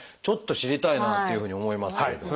ちょっと知りたいなっていうふうに思いますけれど。